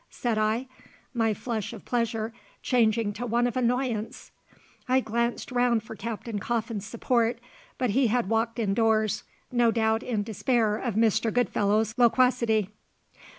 said I, my flush of pleasure changing to one of annoyance. I glanced round for Captain Coffin's support, but he had walked indoors, no doubt in despair of Mr. Goodfellow's loquacity.